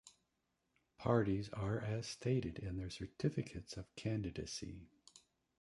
Parties are as stated in their certificates of candidacy.